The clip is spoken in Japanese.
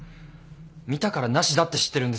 見たから無田って知ってるんです。